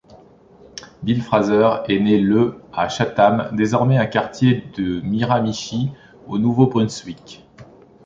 Bill Fraser est né le à Chatham, désormais un quartier de Miramichi au Nouveau-Brunswick.